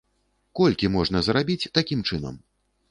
Колькі можна зарабіць такім чынам?